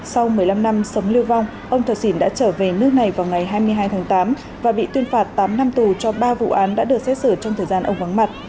sau một mươi năm năm sống lưu vong ông thờ sỉn đã trở về nước này vào ngày hai mươi hai tháng tám và bị tuyên phạt tám năm tù cho ba vụ án đã được xét xử trong thời gian ông vắng mặt